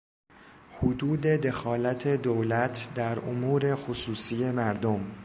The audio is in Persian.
حدود دخالت دولت در امور خصوصی مردم